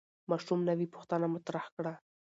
ماشوم نوې پوښتنه مطرح کړه